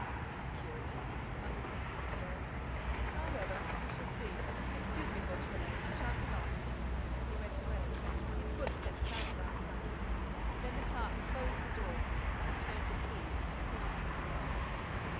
"That's curious," muttered M. Filleul. "However—we shall see. Excuse me, Beautrelet, I shan't be long." He went away. His footsteps sounded outside. Then the clerk closed the door, turned the key and put it in his pocket.